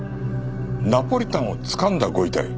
ナポリタンをつかんだご遺体？